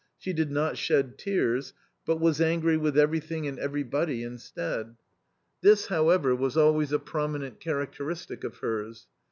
She did not shed tears, but was angry with everything and every body instead. This, however, was always a prominent characteristic of hers.